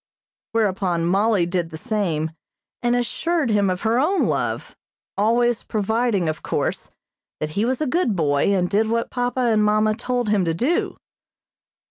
Whereupon Mollie did the same, and assured him of her own love, always providing, of course, that he was a good boy, and did what papa and mamma told him to do.